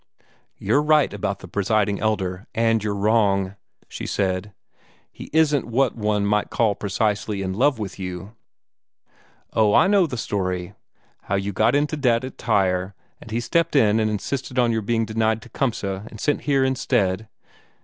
"You're right about the Presiding Elder, and you're wrong," she said. "He isn't what one might call precisely in love with you. Oh, I know the story how you got into debt at Tyre, and he stepped in and insisted on your being denied Tecumseh and sent here instead."